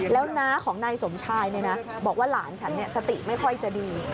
แล้วน้าของนายสมชายบอกว่าหลานฉันสติไม่ค่อยจะดี